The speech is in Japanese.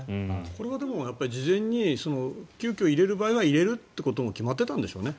これは事前に急きょ入れる場合は入れるっていうことも決まっていたんでしょうね。